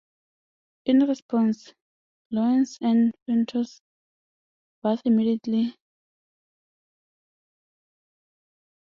In response, Lyons and Fenton both immediately resigned from Cabinet.